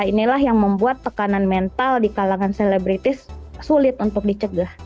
inilah yang membuat tekanan mental di kalangan selebritis sulit untuk dicegah